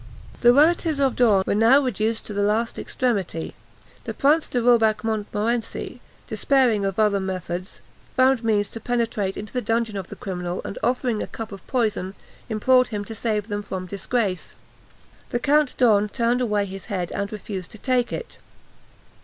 The relatives of D'Horn were now reduced to the last extremity. The Prince de Robec Montmorency, despairing of other methods, found means to penetrate into the dungeon of the criminal, and offering him a cup of poison, implored him to save them from disgrace. The Count d'Horn turned away his head, and refused to take it.